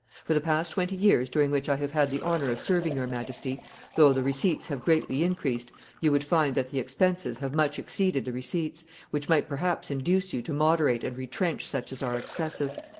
For the past twenty years during which I have had the honor of serving your Majesty, though the receipts have greatly increased, you would find that the expenses have much exceeded the receipts, which might perhaps induce you to moderate and retrench such as are excessive.